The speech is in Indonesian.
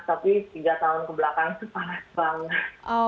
tapi tiga tahun kebelakang itu panas banget